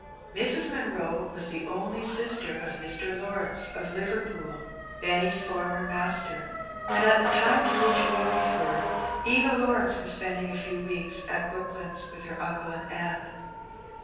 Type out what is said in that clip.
Mrs. Munroe was the only sister of Mr. Lawrence, of Liverpool, Benny^s former master, and, at tlie time to which we refer, Eva Lawrence was spending a few weeks at Brook lands with her uncle and aunt.